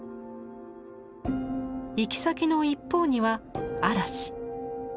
行き先の一方には嵐。